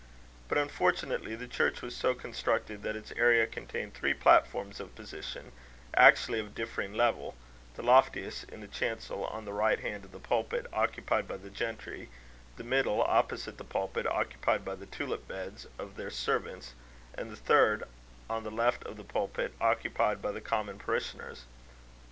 But, unfortunately, the church was so constructed, that its area contained three platforms of position, actually of differing level; the loftiest, in the chancel, on the right hand of the pulpit, occupied by the gentry; the middle, opposite the pulpit, occupied by the tulip beds of their servants; and the third, on the left of the pulpit, occupied by the common parishioners.